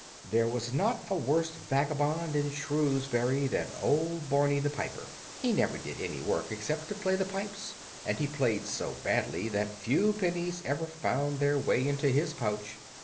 THERE was not a worse vagabond in Shrewsbury than old Barney the piper. He never did any work except to play the pipes, and he played so badly that few pennies ever found their way into his pouch.